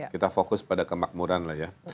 kita fokus pada kemakmuran lah ya